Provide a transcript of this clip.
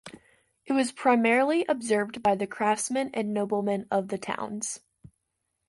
It was primarily observed by the craftsmen and noblemen of the towns.